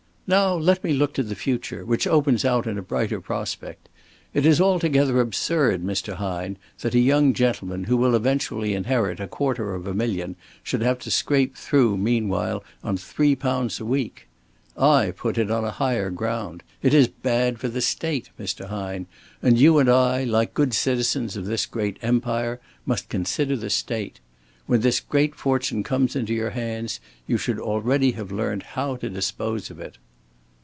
"Now let me look to the future, which opens out in a brighter prospect. It is altogether absurd, Mr. Hine, that a young gentleman who will eventually inherit a quarter of a million should have to scrape through meanwhile on three pounds a week. I put it on a higher ground. It is bad for the State, Mr. Hine, and you and I, like good citizens of this great empire, must consider the State. When this great fortune comes into your hands you should already have learned how to dispose of it."